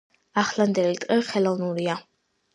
ახლანდელი ტყე ხელოვნურია.